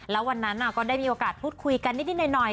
แล้ววันนั้นก็ได้มีโอกาสพูดคุยกันนิดหน่อย